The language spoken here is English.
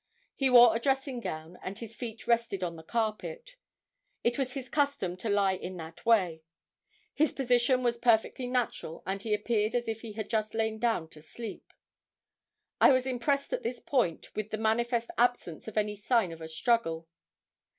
He wore a dressing gown and his feet rested on the carpet. It was his custom to lie in that way. His position was perfectly natural and he appeared as if he had just lain down to sleep. I was impressed at this point with the manifest absence of any sign of a struggle.